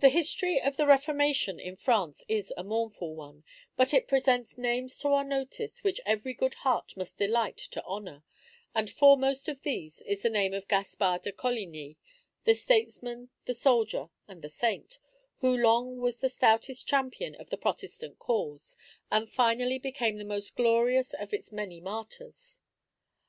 The history of the Reformation in France is a mournful one; but it presents names to our notice which every good heart must delight to honor; and foremost of these is the name of Gaspard de Coligni, the statesman, the soldier, and the saint; who long was the stoutest champion of the Protestant cause, and finally became the most glorious of its many martyrs.